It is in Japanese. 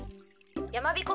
やまびこ